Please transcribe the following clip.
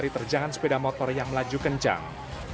dari terjangan sepeda motor yang melaju kencang